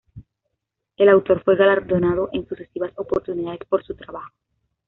El autor fue galardonado en sucesivas oportunidades por su trabajo.